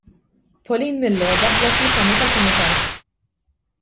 Pauline Millo daħlet fil-Kamra tal-Kumitat.